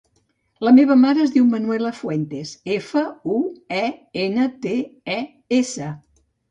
La meva mare es diu Manuela Fuentes: efa, u, e, ena, te, e, essa.